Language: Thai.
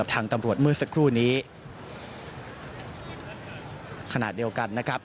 ทางตำรวจเมื่อสักครู่นี้ขณะเดียวกันนะครับ